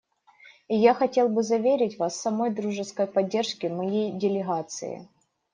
И я хотел бы заверить вас в самой дружеской поддержке моей делегации.